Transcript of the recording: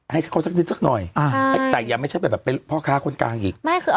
ให้เขาสักนิดสักหน่อยแต่อย่าไม่ใช่แบบเป็นพ่อค้าคนกลางอีกไม่คือเอา